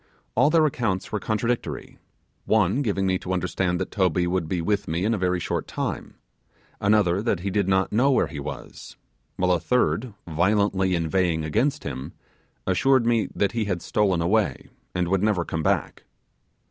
All their accounts were contradictory: one giving me to understand that Toby would be with me in a very short time; another that he did not know where he was; while a third, violently inveighing, against him, assured me that he had stolen away, and would never come back.